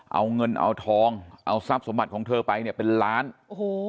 เอาเงินเอาทองเอาทรัพย์สมบัติของเธอไปเนี่ยเป็นล้านโอ้โห